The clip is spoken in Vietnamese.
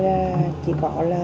rồi chỉ có là